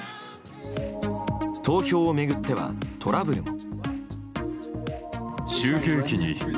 投票を巡ってはトラブルも。